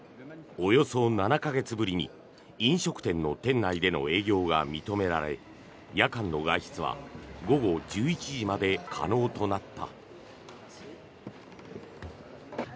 およそ７か月ぶりに飲食店の店内での営業が認められ夜間の外出は午後１１時まで可能となった。